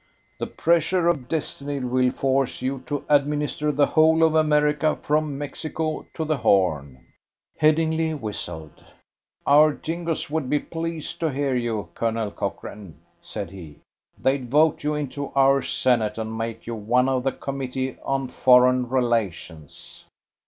The pressure of destiny will force you to administer the Whole of America from Mexico to the Horn." Headingly whistled. "Our Jingoes would be pleased to hear you, Colonel Cochrane," said he. "They'd vote you into our Senate and make you one of the Committee on Foreign Relations."